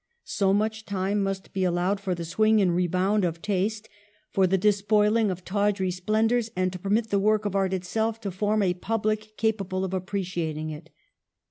So much time must be allowed for the swing and rebound of taste, for the despoiling of tawdry splendors and to permit the work of art itself to form a public capable of appreciating it.